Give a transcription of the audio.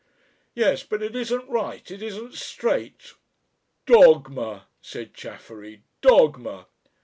"Yes, but it isn't right it isn't straight." "Dogma," said Chaffery. "Dogma!"